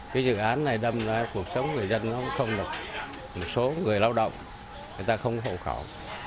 cái dự án này đâm ra cuộc sống người dân không được một số người lao động người ta không có hậu khẩu